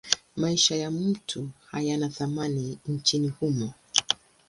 Maisha ya mtu hayana thamani nchini humo.